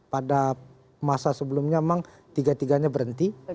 pada masa sebelumnya memang tiga tiganya berhenti